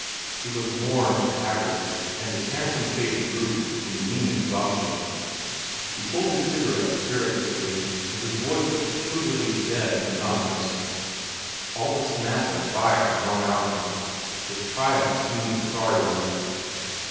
He was worn and haggard, and his handsome face drooped in lean exhaustion. He pulled his cigarette spiritlessly, and his voice was peculiarly dead and monotonous. All the snap and fire had gone out of him. His triumph seemed a sorry one.